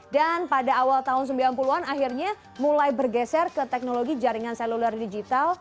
dan pada awal tahun sembilan puluh an akhirnya mulai bergeser ke teknologi jaringan seluler digital